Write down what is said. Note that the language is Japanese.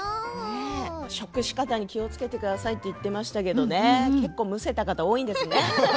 食し方に気をつけてくださいって言ってましたけれど結構むせた方、多いですね。